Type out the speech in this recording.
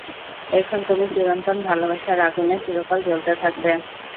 এখন তুমি চিরন্তন ভালোবাসার আগুনে চিরকাল জ্বলতে থাকবে!